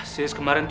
sis kemarin tuh